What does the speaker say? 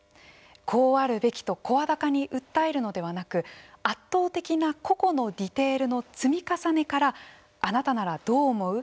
こうあるべきと声高に訴えるのではなく圧倒的な個々のディテールの積み重ねからあなたならどう思う？